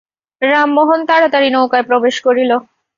রামমোহন তাড়াতাড়ি নৌকায় প্রবেশ করিল।